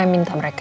mami minta mereka